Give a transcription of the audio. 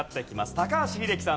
高橋英樹さん